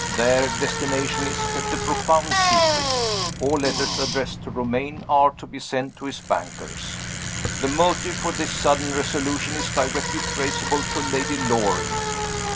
Their destination is kept a profound secret. All letters addressed to Romayne are to be sent to his bankers. The motive for this sudden resolution is directly traceable to Lady Loring.